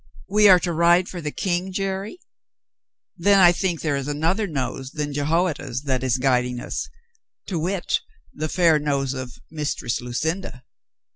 "We are to ride for the King, Jerry? Then I think there is another nose than Jehoiada's that is guiding us — to wit, the fair nose of Mistress Lucinda."